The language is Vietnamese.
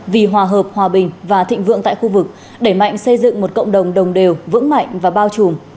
vì hòa hợp hòa bình và thịnh vượng tại khu vực đẩy mạnh xây dựng một cộng đồng đồng đều vững mạnh và bao trùm